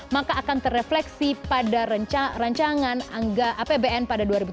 maka akan terefleksi pada rancangan apbn pada dua ribu tujuh belas